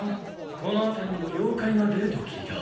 このあたりにも妖怪が出ると聞いた。